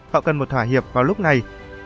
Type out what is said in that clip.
họ cần một thỏa hiệp vào lúc này